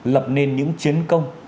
lập nên những chiến công